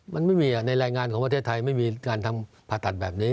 มันไม่มีในรายงานของประเทศไทยไม่มีการทำผ่าตัดแบบนี้